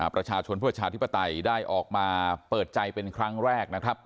ประชาชนเพื่อประชาธิปไตยได้ออกมาเปิดใจเป็นครั้งแรกนะครับ